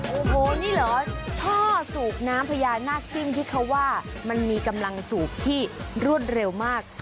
โอ้โหนี่เหรอท่อสูบน้ำพญานาคจิ้มที่เขาว่ามันมีกำลังสูบที่รวดเร็วมาก